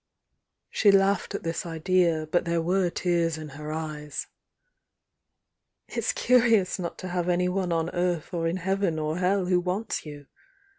She laughed at this idea, but there were tears in her eyes. "It's curious not to have anyone on earth or in heaven or hell who wants you